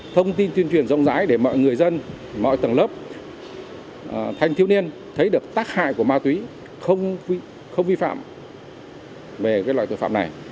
thông tin tuyên truyền rộng rãi để mọi người dân mọi tầng lớp thanh thiếu niên thấy được tác hại của ma túy không vi phạm về loại tội phạm này